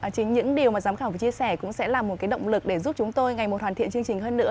chính những điều mà giám khảo vừa chia sẻ cũng sẽ là một cái động lực để giúp chúng tôi ngày một hoàn thiện chương trình hơn nữa